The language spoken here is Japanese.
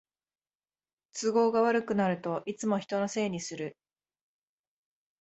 都合が悪くなるといつも人のせいにする